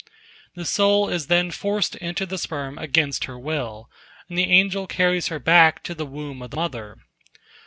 The soul is then forced to enter the sperm against her will, and the angel carries her back to the womb of the mother.